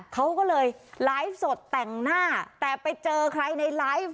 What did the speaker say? เขาก็เลยไลฟ์สดแต่งหน้าแต่ไปเจอใครในไลฟ์